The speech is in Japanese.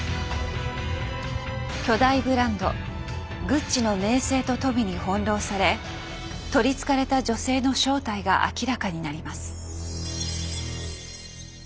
巨大ブランドグッチの名声と富に翻弄され憑りつかれた女性の正体が明らかになります。